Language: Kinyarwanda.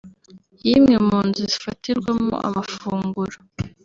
y’imwe mu nzu zifatirwamo amafunguro